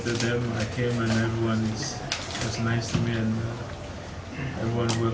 saya menghormati mereka saya datang dan semua orang baik dengan saya